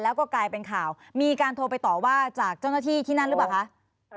แล้วก็กลายเป็นข่าวมีการโทรไปต่อว่าจากเจ้าหน้าที่ที่นั่นหรือเปล่าคะ